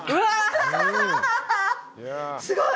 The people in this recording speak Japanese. すごい。